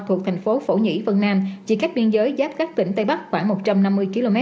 thuộc thành phố phổ nhĩ vân nam chỉ cách biên giới giáp các tỉnh tây bắc khoảng một trăm năm mươi km